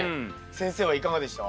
先生はいかがでした？